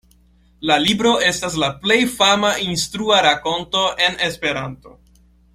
La libro estas la plej fama instrua rakonto en Esperanto.